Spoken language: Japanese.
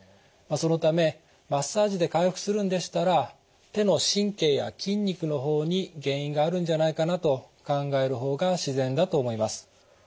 そのためマッサージで回復するんでしたら手の神経や筋肉の方に原因があるんじゃないかなと考える方が自然だと思います。